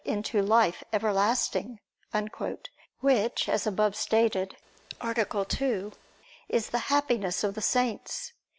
into life everlasting," which, as above stated (A. 2), is the Happiness of the saints.